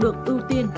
được ưu tiên